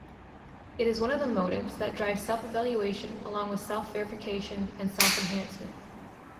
It is one of the motives that drive self-evaluation, along with self-verification and self-enhancement.